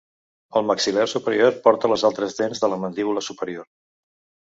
El maxil·lar superior porta les altres dents de la mandíbula superior.